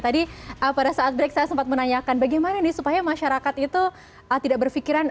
tadi pada saat break saya sempat menanyakan bagaimana nih supaya masyarakat itu tidak berpikiran